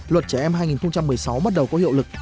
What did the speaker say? luật trẻ em hai nghìn một mươi sáu bắt đầu có hiệu lực